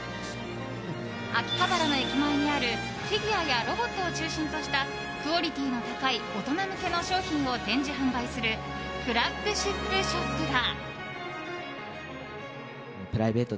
秋葉原の駅前にあるフィギュアやロボットを中心としたクオリティーの高い大人向けの商品を展示・販売するフラッグシップショップだ。